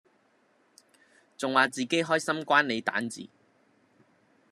仲話自己開心關你蛋治